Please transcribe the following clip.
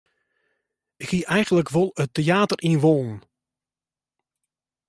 Ik hie eigenlik wol it teater yn wollen.